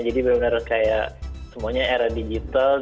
jadi bener bener kayak semuanya era digital